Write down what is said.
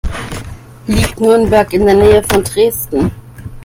Liegt Nürnberg in der Nähe von Dresden?